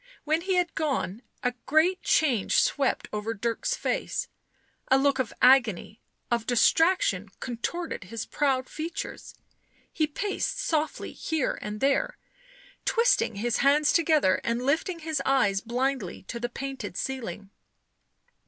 When he had gone, a great change swept over Dirk's face; a look of agony, of distraction contorted his proud features, he paced softly here and there, twisting his hands together and lifting his eyes blindly to the painted ceiling.